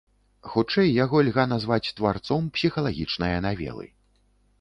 Хутчэй яго льга назваць тварцом псіхалагічнае навелы.